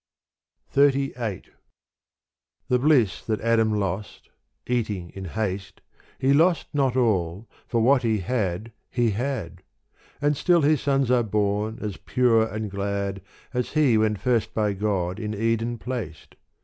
xxxviri THE bliss that Adam lost — eating in haste — He lost not all, for what he had he had : And still his sons are born as pure and glad As he when first by God in Eden placed.